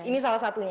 ini salah satunya